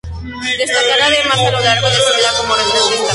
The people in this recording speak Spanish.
Destacará además a lo largo de su vida como retratista.